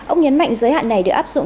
ông nhấn mạnh giới hạn này được áp dụng